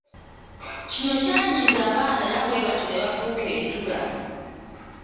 Kino kyanyiza abaana era bwe batyo ne bafuuka entula.